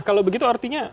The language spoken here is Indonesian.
kalau begitu artinya